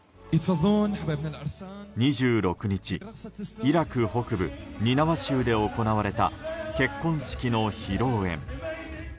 ２６日イラク北部ニナワ州で行われた結婚式の披露宴。